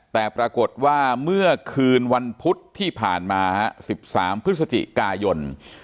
แต่ปรากฏว่าเมื่อคืนวันพุธที่ผ่านมา๑๓พฤศจิกายน